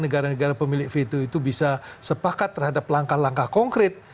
negara negara pemilik veto itu bisa sepakat terhadap langkah langkah konkret